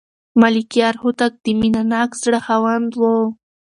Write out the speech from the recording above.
ملکیار هوتک د مینه ناک زړه خاوند و.